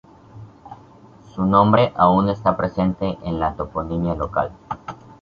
Su nombre aún está presente en la toponimia local.